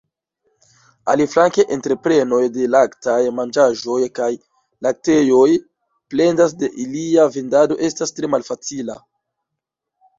Aliflanke entreprenoj de laktaj manĝaĵoj kaj laktejoj plendas ke ilia vendado estas tre malfacila.